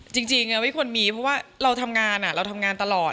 จริงไม่ควรมีเพราะว่าเราทำงานเราทำงานตลอด